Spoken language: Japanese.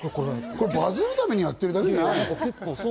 バズるためにやってるだけじゃないの？